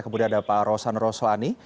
kemudian ada pak rosan roslani